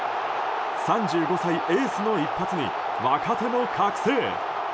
３５歳、エースの一発に若手も覚醒。